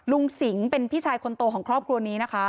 สิงเป็นพี่ชายคนโตของครอบครัวนี้นะคะ